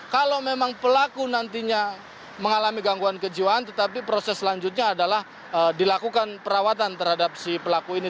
kalau memang pelaku nantinya mengalami gangguan kejiwaan tetapi proses selanjutnya adalah dilakukan perawatan terhadap si pelaku ini